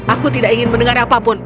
aku tidak ingin mendengar apapun